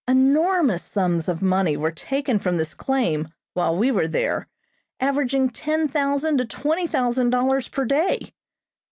Enormous sums of money were taken from this claim while we were there, averaging ten thousand to twenty thousand dollars per day.